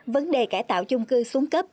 vấn đề cải tạo chung cư xuống cấp